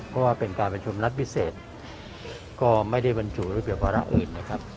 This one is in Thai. เพราะว่าเป็นการประชุมนัดพิเศษก็ไม่ได้บรรจุระเบียบวาระอื่นนะครับ